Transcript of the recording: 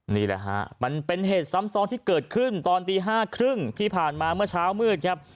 นี่แหละฮะมันเป็นเหตุซ้ำซ้อนที่เกิดขึ้นตอนตี๕๓๐ที่ผ่านมาเมื่อเช้ามืดครับ